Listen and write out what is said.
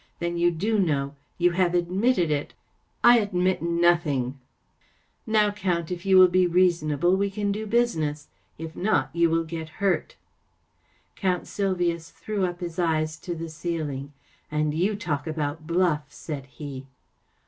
44 Then you do know. You have admitted it! ‚ÄĚ 44 I admit nothing.‚ÄĚ the Mazarin Stone 44 Now, Count, if you will be reasonable, we can do business. If not, you will get hurt.‚ÄĚ Count Sylvius threw up his eyes to the ceiling. 44 And you talk about bluff ! ‚ÄĚ said he.